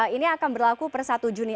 ini akan berlaku per satu juni